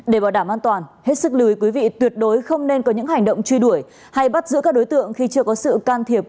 để bảo đảm an toàn hết sức lưu ý quý vị tuyệt đối không nên có những hành động truy đuổi hay bắt giữ các đối tượng khi chưa có sự can thiệp